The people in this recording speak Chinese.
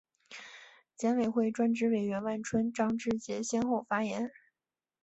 检委会专职委员万春、张志杰先后发言